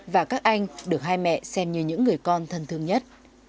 và các anh được hai mẹ xem như những người con thân thương nhất